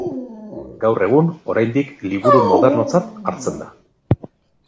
Gaur egun oraindik liburu modernotzat hartzen da.